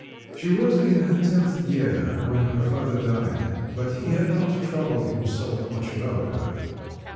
She was in her tenth year when her father died; but he had not troubled himself much about her.